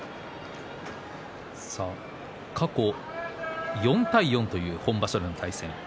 過去４対４という本場所の対戦です。